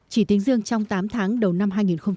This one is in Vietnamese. chỉ tính riêng trong tám tháng đầu năm hai nghìn hai mươi